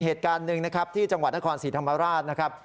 เหตุการณ์หนึ่งนะครับที่จังหวัดนครศรีธรรมราชนะครับ